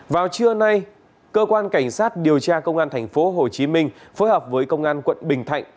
vào trưa nay cơ quan cảnh sát điều tra công an thành phố hồ chí minh phối hợp với công an quận bình thạnh